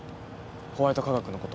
ホワイト化学のこと。